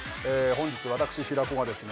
本日私平子がですね